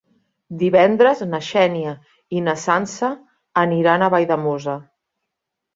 Divendres na Xènia i na Sança aniran a Valldemossa.